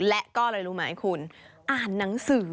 และก็อะไรรู้ไหมคุณอ่านหนังสือ